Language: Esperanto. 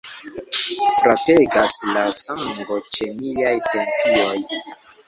Frapegas la sango ĉe miaj tempioj.